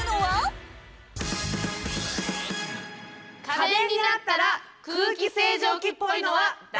家電になったら空気清浄機っぽいのは誰？